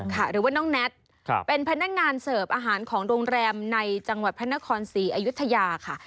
ค่ะหรือว่าน้องน๊าชเป็นพนักงานเสิร์ฟอาหารของโรงแรมในจังหวัดพนคร๔อายุทยาณ์ค่ะ